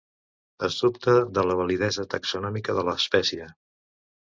Es dubta de la validesa taxonòmica de l'espècie.